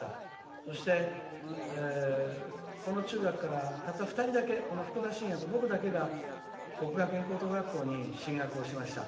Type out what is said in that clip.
そして、この中学からたった２人だけふくだしんやと僕だけが国学院高等学校に進学しました。